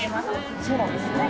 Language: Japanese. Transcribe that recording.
そうなんですね。